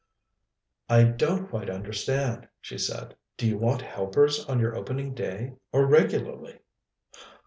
"I don't quite understand," she said. "Do you want helpers on your opening day, or regularly?"